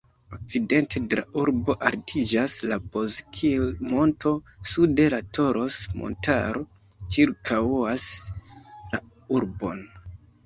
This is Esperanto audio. Okcidente de la urbo altiĝas la Bozkir-monto, sude la Toros-montaro ĉirkaŭas la urbon.